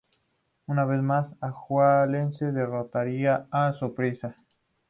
Una vez más, Alajuelense derrotaría a Saprissa.